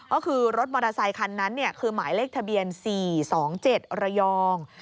ก็คือรถมอเตอร์ไซคันนั้นคือหมายเลขทะเบียน๔๒๗ระยอง